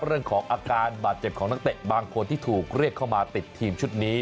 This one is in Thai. เรื่องของอาการบาดเจ็บของนักเตะบางคนที่ถูกเรียกเข้ามาติดทีมชุดนี้